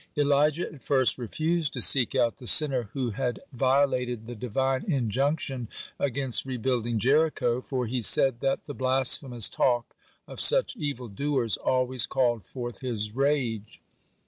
Elijah at first refused to seek out the sinner who had violated the Divine injunction against rebuilding Jericho, for he said that the blasphemous talk of such evil doers always called forth his rage.